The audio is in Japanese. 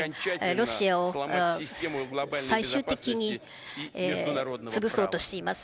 ロシアを最終的に潰そうとしています。